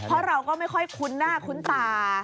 เพราะเราก็ไม่ค่อยคุ้นหน้าคุ้นตา